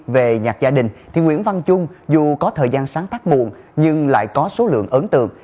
về nhạc gia đình thì nguyễn văn trung dù có thời gian sáng tác muộn nhưng lại có số lượng ấn tượng